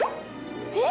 え。